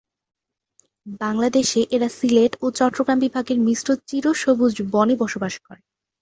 বাংলাদেশে এরা সিলেট ও চট্টগ্রাম বিভাগের মিশ্র চিরসবুজ বনে বসবাস করে।